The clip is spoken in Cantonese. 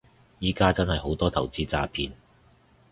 而家真係好多投資詐騙